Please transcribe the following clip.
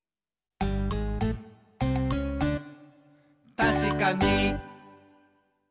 「たしかに！」